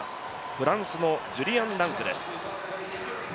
フランスのジュリアン・ランクです